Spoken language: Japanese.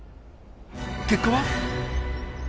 結果は？